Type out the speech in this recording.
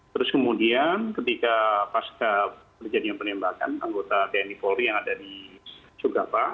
terus kemudian ketika pasca terjadian penembakan anggota tni polri yang ada di sugapa